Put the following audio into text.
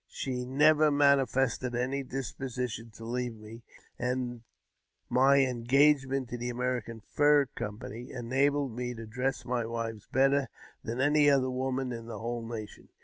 She never manifested any disposition to leave me ; and my engagement to the American Fur Company enabled me to dress my wives better than any other woman in the whole nation.